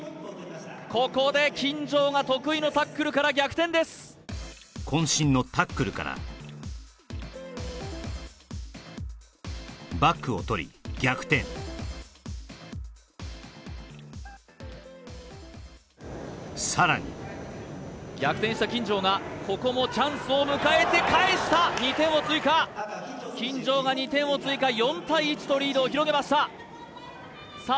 ここで金城が得意のタックルから逆転ですこん身のタックルからバックを取り逆転さらに逆転した金城がここもチャンスを迎えて返した２点を追加金城が２点を追加４対１とリードを広げましたさあ